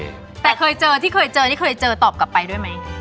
แต่ที่เคยเจอวงเลยจะตอบกลับไปอย่างไร